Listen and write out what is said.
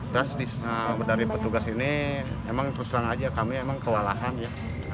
terus dari petugas ini emang terus terang aja kami emang kewalahan ya